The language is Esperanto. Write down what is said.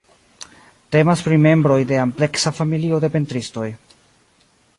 Temas pri membroj de ampleksa familio de pentristoj.